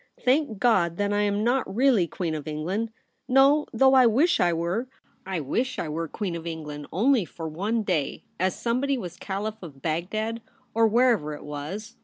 Thank God that I am not really Queen of England ! No, though — I wish I were, I wish I were Oueen of England only for one day, as somebody was Caliph of Bagdad, or wherever it was.